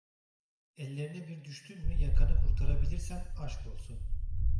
Ellerine bir düştün mü yakanı kurtarabilirsen aşkolsun.